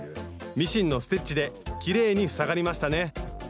ミシンのステッチできれいに塞がりましたね。